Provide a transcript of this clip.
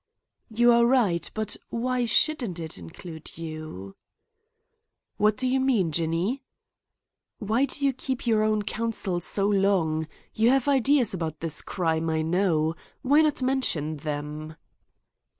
"You are right; but why shouldn't it include you?" "What do you mean, Jinny?" "Why do you keep your own counsel so long? You have ideas about this crime, I know. Why not mention them?"